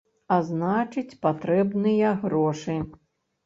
А значыць патрэбныя грошы.